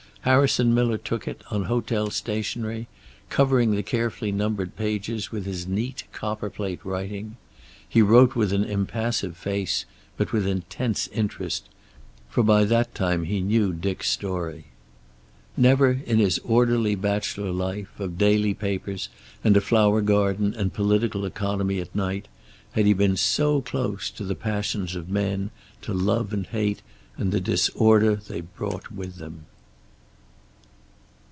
Harrison Miller took it, on hotel stationery, covering the carefully numbered pages with his neat, copper plate writing. He wrote with an impassive face, but with intense interest, for by that time he knew Dick's story. Never, in his orderly bachelor life, of daily papers and a flower garden and political economy at night, had he been so close to the passions of men to love and hate and the disorder they brought with them.